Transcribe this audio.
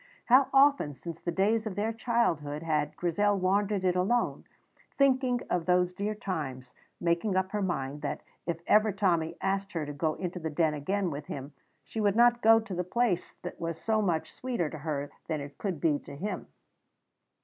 How often since the days of their childhood had Grizel wandered it alone, thinking of those dear times, making up her mind that if ever Tommy asked her to go into the Den again with him she would not go, the place was so much sweeter to her than it could be to him.